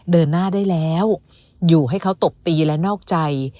เดินหน้าได้แล้วอยู่ให้เขาตบตีและนอกใจ